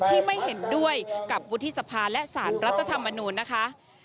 ไม่เห็นด้วยกับวุฒิสภาและสารรัฐธรรมนูญนะคะ